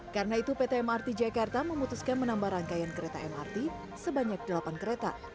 karena itu pt mrt jakarta memutuskan menambah rangkaian kereta mrt sebanyak delapan kereta